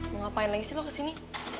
mau ngapain lagi sih lo kesini